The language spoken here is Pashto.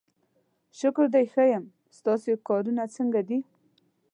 شکر دی ښه یم، ستاسې کارونه څنګه دي؟